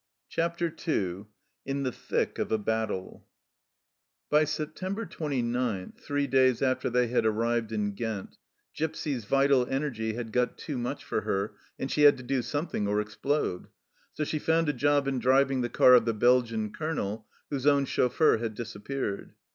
CHAPTER II IN THE THICK OF A BATTLE BY September 29, three days after they had arrived in Ghent, Gipsy's vital energy had got too much for her, and she had to do something or explode ; so she found a job in driving the car of the Belgian Colonel, whose own chauffeur had dis appeared.